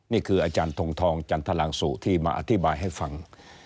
นี่คืออาจารย์ทงทองจันทรังสุที่มาอธิบายให้ฟัง